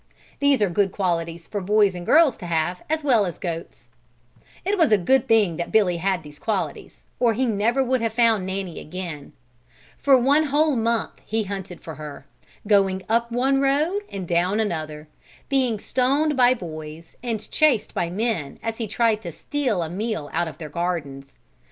These are good qualities for boys and girls to have as well as goats. It was a good thing that Billy had these qualities, or he never would have found Nanny again. For one whole month he hunted for her, going up one road and down another, being stoned by boys and chased by men as he tried to steal a meal out of their gardens.